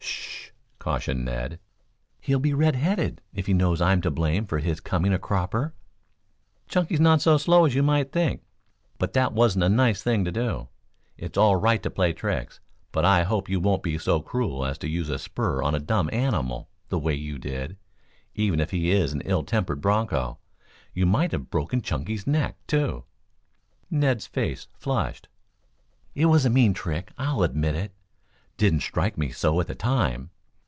"S h h h," cautioned Ned. "He'll be redheaded if he knows I am to blame for his coming a cropper." "Chunky's not so slow as you might think. But that wasn't a nice thing to do. It's all right to play tricks, but I hope you won't be so cruel as to use a spur on a dumb animal, the way you did, even if he is an ill tempered broncho. You might have broken Chunky's neck, too." Ned's face flushed. "It was a mean trick, I'll admit. Didn't strike me so at the time.